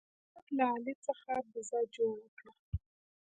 احمد له علي څخه بزه جوړه کړه.